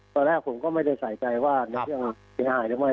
ตอนแรกผมก็ไม่ได้ใส่ใจว่าในเครื่องเสียหายหรือไม่